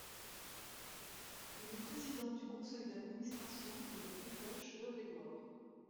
Il est président du conseil d'administration de La Dépêche d'Eure-et-Loir.